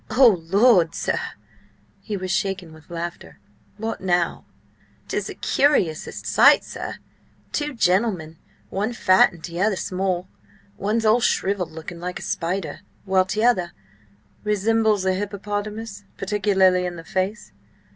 O lord, sir!" He was shaken with laughter. "What now?" "'Tis the curiousest sight, sir! Two gentlemen, one fat and t'other small! One's all shrivelled looking, like a spider, while t'other—" "Resembles a hippopotamus–particularly in the face?"